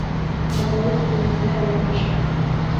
maróg úll na hEilvéise